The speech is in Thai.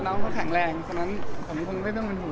น้องเขาแข็งแรงฉะนั้นผมคงไม่เป็นมันหัว